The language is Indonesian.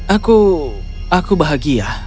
aku aku bahagia